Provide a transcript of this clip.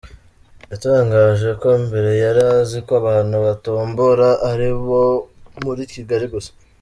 Yatangaje ko mbere yari azi ko abantu batombora ari abo muri Kigali gusa.